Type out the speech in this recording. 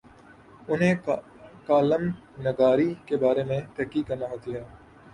انہیں کالم نگاری کے بارے میں تحقیق کرنا ہوتی ہے۔